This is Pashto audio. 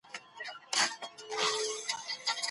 که څوک مجبور سي، عقيده کمزورې کېږي.